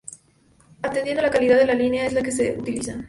Atendiendo a la calidad de la línea en la que se utilicen.